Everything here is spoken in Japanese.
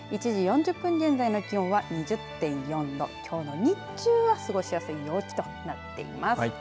１時４０分現在の気温は２０．４度きょうの日中は過ごしやすい陽気となっています。